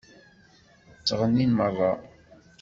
Ttɣennin meṛṛa.